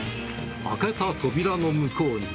開けた扉の向こうに。